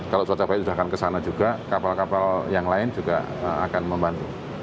kalau cuaca baik sudah akan kesana juga kapal kapal yang lain juga akan membantu